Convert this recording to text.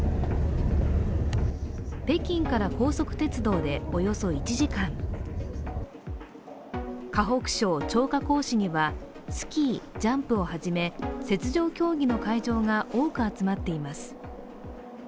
北京から高速鉄道でおよそ１時間河北省張家口市には、スキー、ジャンプをはじめ、雪上競技の会場が多く集まっています。